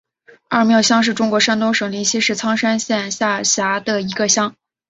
二庙乡是中国山东省临沂市苍山县下辖的一个乡。